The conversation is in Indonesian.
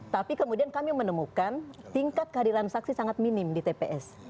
tapi kemudian kami menemukan tingkat kehadiran saksi sangat minim di tps